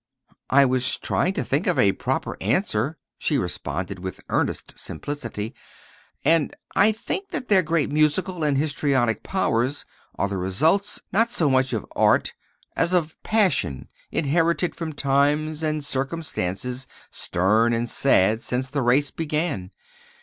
"I was trying to think of a proper answer," she responded with earnest simplicity; "and I think that their great musical and histrionic powers are the results not so much of art as of passion inherited from times and circumstances stern and sad since the race began.